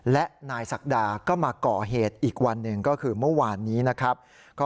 และนายศักดาก็มาก่อเหตุอีกวันหนึ่งก็คือเมื่อวานนี้นะครับ